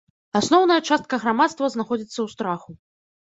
Асноўная частка грамадства знаходзіцца ў страху.